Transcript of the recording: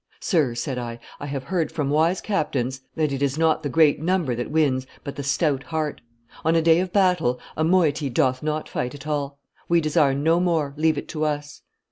Sir,' said I, 'I have heard from wise captains that it is not the great number that wins, but the stout heart; on a day of battle, a moiety doth not fight at all. We desire no more; leave it to us.